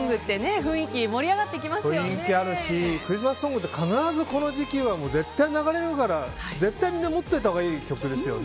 雰囲気あるしクリスマスソングって必ずこの時期は絶対流れるから絶対に持っておいたほうがいい曲ですね。